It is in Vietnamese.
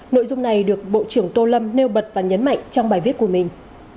nội dung này được bộ trưởng tô lâm nêu bật và nhấn mạnh trong bài viết của mình